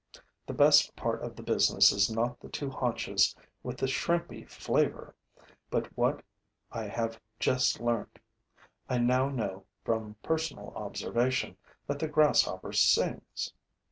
The best part of the business is not the two haunches with the shrimpy flavor, but what I have just learnt. I now know, from personal observation, that the Grasshopper sings.